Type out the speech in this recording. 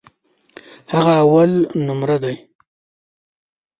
هغه اولنومره دی.